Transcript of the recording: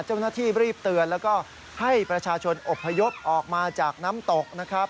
เจ้าหน้าที่รีบเตือนแล้วก็ให้ประชาชนอบพยพออกมาจากน้ำตกนะครับ